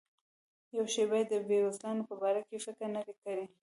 یوه شیبه یې د بېوزلانو په باره کې فکر نه دی کړی.